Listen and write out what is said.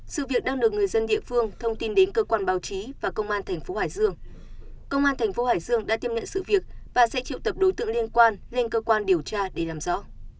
sự việc đang được người dân địa phương thông tin đến cơ quan báo chí và công an thành phố hải dương công an thành phố hải dương đã tiếp nhận sự việc và sẽ triệu tập đối tượng liên quan lên cơ quan điều tra để làm rõ